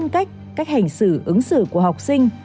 cách hành xử ứng xử của học sinh